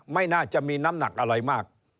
ไม่น่าจะมีน้ำหนักอะไรมาก